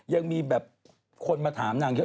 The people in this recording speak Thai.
ยังมีแบบคนมาถามนางเยอะ